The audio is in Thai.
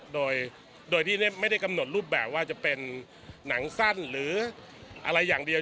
โดยที่ไม่ได้กำหนดรูปแบบว่าจะเป็นหนังสั้นหรืออะไรอย่างเดียว